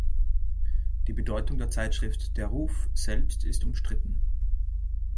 Die Bedeutung der Zeitschrift "Der Ruf" selbst ist umstritten.